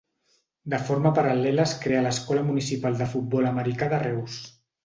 De forma paral·lela es creà l'Escola Municipal de Futbol Americà de Reus.